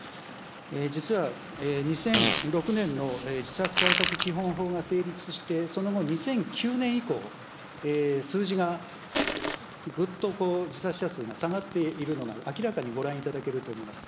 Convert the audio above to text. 実は、２００６年の自殺対策基本法が成立して、その後、２００９年以降、数字が、ぐっとこう、自殺者数が下がっているのが、明らかにご覧いただけると思います。